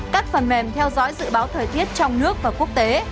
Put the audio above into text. các phần mềm theo dõi dự báo thời tiết trong nước và quốc tế